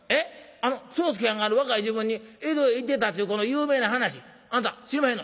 あの宗助はんが若い時分に江戸へ行ってたっちゅうこの有名な話あんた知りまへんの？